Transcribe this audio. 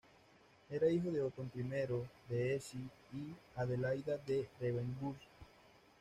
Era hijo de Otón I de Hesse y Adelaida de Ravensburg.